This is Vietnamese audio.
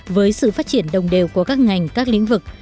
với sự phát triển đồng đều của các ngành các lĩnh vực